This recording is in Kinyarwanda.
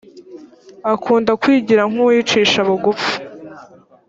akunda kwigira nk’uwicisha bugufi